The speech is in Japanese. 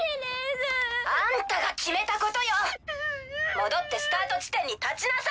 戻ってスタート地点に立ちなさい！